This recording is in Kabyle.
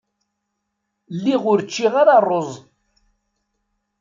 Lliɣ ur ččiɣ ara rruẓ.